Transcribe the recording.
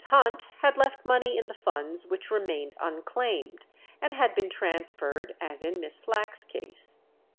Hunt had left money in the funds which remained unclaimed, and had been transferred, as in Miss Slack's case.